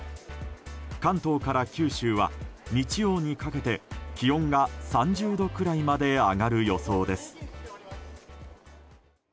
関東から九州は、日曜にかけて気温が３０度くらいまで上がる予想です。